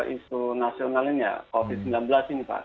isu nasional ini ya covid sembilan belas ini pak